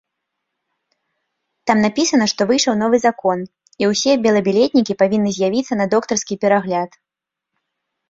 Там напісана, што выйшаў новы закон і ўсе белабілетнікі павінны з'явіцца на доктарскі перагляд.